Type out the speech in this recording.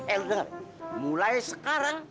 eh lu denger mulai sekarang